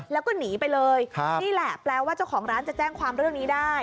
แล้วก็หนีไปเลยนี่แหละแปลว่าเจ้าของร้านจะแจ้งความเรื่องนี้ได้